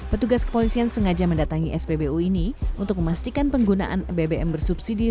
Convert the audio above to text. petugas kepolisian sengaja mendatangi spbu ini untuk memastikan penggunaan bbm bersubsidi